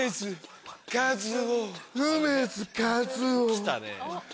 来たね。